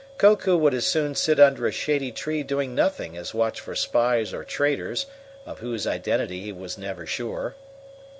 Koku would as soon sit under a shady tree doing nothing as watch for spies or traitors, of whose identity he was never sure.